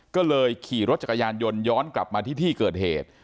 ก็เลยขี่รถจักรยานยนต์ย้อนกลับมาที่ที่เกิดเหตุ